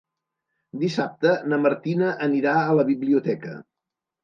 Dissabte na Martina anirà a la biblioteca.